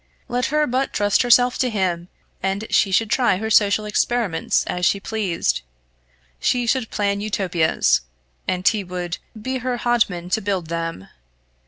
Let her but trust herself to him, and she should try her social experiments as she pleased she should plan Utopias, and he would be her hodman to build them.